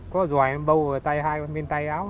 có dòi bâu ở tay hai bên tay áo